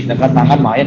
dekat tangan main